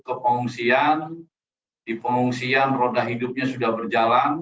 ke pengungsian di pengungsian roda hidupnya sudah berjalan